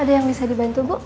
ada yang bisa dibantu bu